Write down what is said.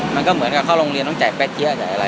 มันก็เหมือนกับเข้าโรงเรียนต้องจ่ายแป๊เจี๊ยจ่ายอะไร